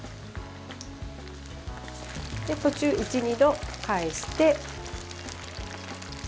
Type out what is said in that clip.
途中、１２度返して。